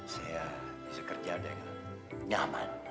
saya bisa kerja dengan nyaman